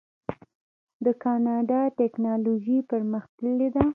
د کاناډا ټیکنالوژي پرمختللې ده.